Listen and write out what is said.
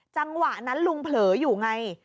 จังหวะนั้นลุงเผลออยู่ไง